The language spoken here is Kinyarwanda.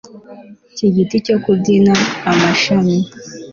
cy'igiti cyo kubyina, amashami